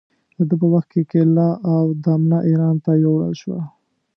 د ده په وخت کې کلیله و دمنه اېران ته یووړل شوه.